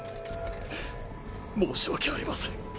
申し訳ありません。